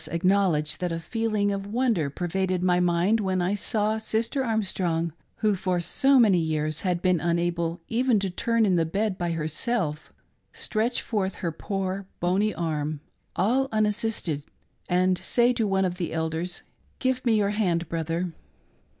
83 acknowledge that a feeling of wonder pervaded my mind when I saw Sister Armstrong, who for so many years had been unable even to turn in the bed by herself, stretch forth her poor, bony arm, all unassisted, and say to one of the elders —" Give me your hand, brother."